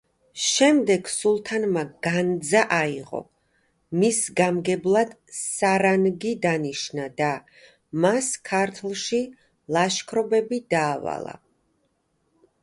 შემდეგ სულთანმა განძა აიღო, მის გამგებლად სარანგი დანიშნა და მას ქართლში ლაშქრობები დაავალა.